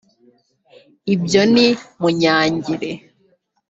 ibyo ni munyangire